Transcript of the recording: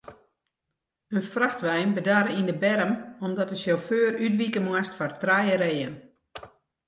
In frachtwein bedarre yn de berm omdat de sjauffeur útwike moast foar trije reeën.